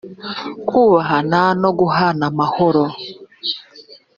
kubahana no guhana amahoro